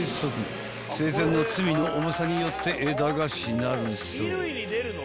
［生前の罪の重さによって枝がしなるそう］